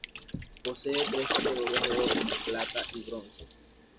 Posee tres categorías de Oro, Plata y Bronce.